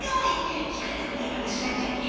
きかれたくないはなしなんじゃけえ。